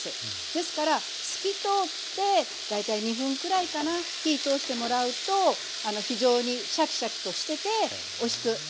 ですから透き通って大体２分くらいかな火通してもらうと非常にシャキシャキとしてておいしくできます。